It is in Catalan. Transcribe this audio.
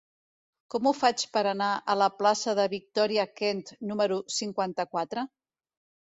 Com ho faig per anar a la plaça de Victòria Kent número cinquanta-quatre?